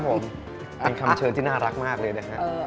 ผมเป็นคำเชิญที่น่ารักมากเลยนะฮะ